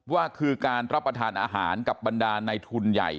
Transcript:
ว่าคือการรับประทานอาหารกับบรรดาในทุนใหญ่